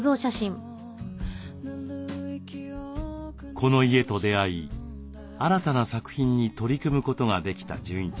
この家と出会い新たな作品に取り組むことができた純一さん。